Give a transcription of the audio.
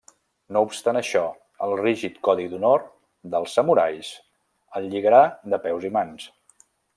No obstant això, el rígid codi d'honor dels samurais el lligarà de peus i mans.